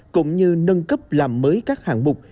cũng như nâng cấp làm mới các hàng mục